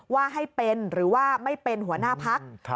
ว่าให้เป็นหรือว่าไม่เป็นหัวหน้าพัก